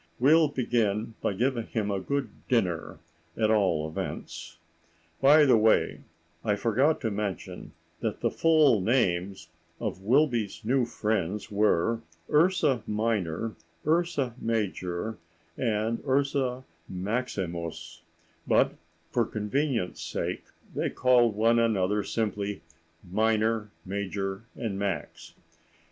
"We'll begin by giving him a good dinner, at all events." By the way, I forgot to mention that the full names of Wilby's new friends were Ursa Minor, Ursa Major, and Ursa Maximus, but for convenience' sake they called one another simply Minor, Major, and Max.